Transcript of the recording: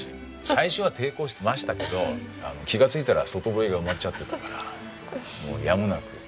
最初は抵抗しましたけど気がついたら外堀が埋まっちゃってたからもうやむなく。